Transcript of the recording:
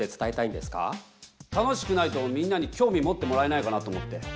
楽しくないとみんなに興味持ってもらえないかなと思って。